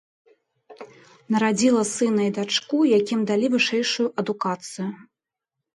Нарадзіла сына і дачку, якім далі вышэйшую адукацыю.